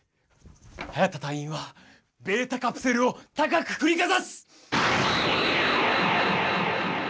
ハヤタ隊員はベータカプセルを高く振りかざす！